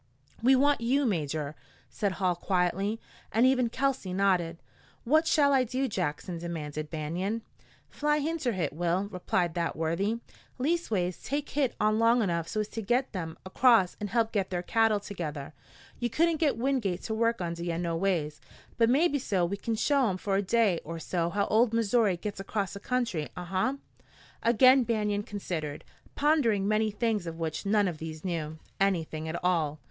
"We want you, Major," said Hall quietly, and even Kelsey nodded. "What shall I do, Jackson?" demanded Banion. "Fly inter hit, Will," replied that worthy. "Leastways, take hit on long enough so's to git them acrost an' help git their cattle together. Ye couldn't git Wingate to work under ye no ways. But mebbe so we can show 'em fer a day er so how Old Missoury gits acrost a country. Uh huh?" Again Banion considered, pondering many things of which none of these knew anything at all.